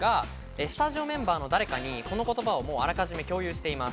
スタジオメンバーの誰かにその言葉をあらかじめ共有しています。